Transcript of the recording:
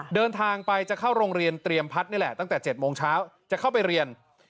เดินทางไปจะเข้าโรงเรียนเตรียมพัฒน์นี่แหละตั้งแต่๗โมงเช้าจะเข้าไปเรียน